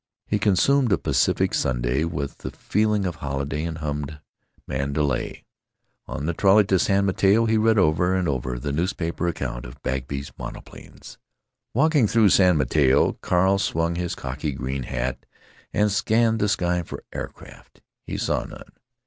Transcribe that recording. He consumed a Pacific sundæ, with a feeling of holiday, and hummed "Mandalay." On the trolley to San Mateo he read over and over the newspaper accounts of Bagby's monoplanes. Walking through San Mateo, Carl swung his cocky green hat and scanned the sky for aircraft. He saw none.